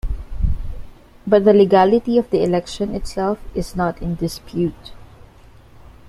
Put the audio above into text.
But the legality of the election itself is not in dispute.